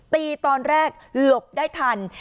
ตีตอนแรกหลบได้ทัน